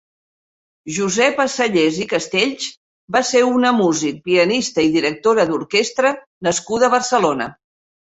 Josepa Sellés i Castells va ser una músic, pianista i directora d'orquestra nascuda a Barcelona.